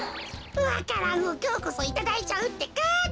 わか蘭をきょうこそいただいちゃうってか。